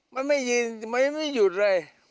มันไม่ยืนอยู่เลย